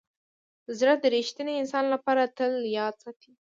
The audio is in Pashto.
زړه د ریښتیني انسان لپاره تل یاد ساتي.